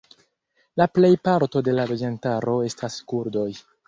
La plejparto de la loĝantaro estas kurdoj.